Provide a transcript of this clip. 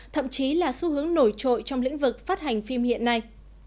thậm chí là xu hướng nổi trội trong lĩnh vực phát hành phim hiện nay